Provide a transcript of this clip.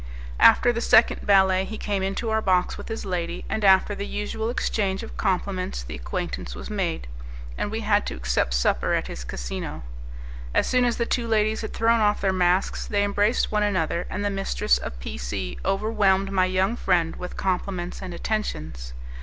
After the second ballet, he came into our box with his lady, and after the usual exchange of compliments the acquaintance was made, and we had to accept supper at his casino. As soon as the two ladies had thrown off their masks, they embraced one another, and the mistress of P C overwhelmed my young friend with compliments and attentions.